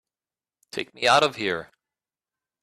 Take me out of here!